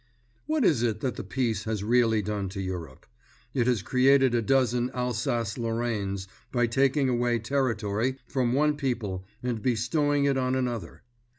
What is it that the Peace has really done to Europe? It has created a dozen Alsace Lorraines by taking away territory from one people and bestowing it on another.